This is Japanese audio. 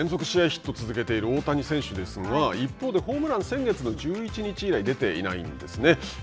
ヒットを続けている大谷選手ですが一方でホームランは先月の１１日以来出ていないんですね。